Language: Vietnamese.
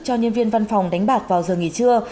cho nhân viên văn phòng đánh bạc vào giờ nghỉ trưa